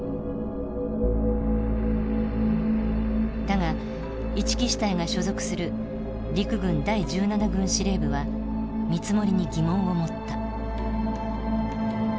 だが一木支隊が所属する陸軍第１７軍司令部は見積もりに疑問を持った。